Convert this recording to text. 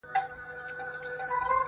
د نادانی عمر چي تېر سي نه راځینه٫